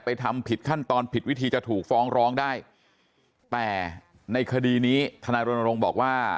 ทำผิดขั้นตอนผิดวิธีจะถูกฟ้องร้องได้แต่ในคดีนี้ธนายรณรงค์บอกว่า